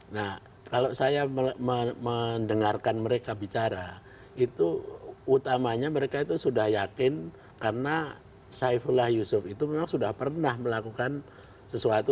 nah kalau saya mendengarkan mereka bicara itu utamanya mereka itu sudah yakin karena saifullah yusuf itu memang sudah pernah melakukan sesuatu